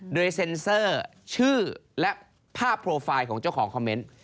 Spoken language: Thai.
โดยเซ็นเซอร์ชื่อและภาพโปรไฟล์ของเจ้าของคอมเมนต์